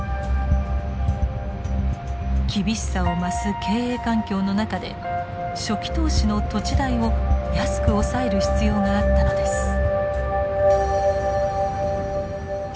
厳しさを増す経営環境の中で初期投資の土地代を安く抑える必要があったのです。